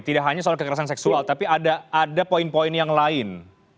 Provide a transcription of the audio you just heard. tidak hanya soal kekerasan seksual tapi ada poin poin yang lain